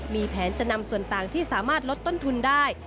มีแผนจะนำส่วนต่างที่สามารถลดต้นทุนได้